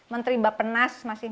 menteri mbak penas masih